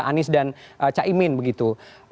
anies dan caimin begitu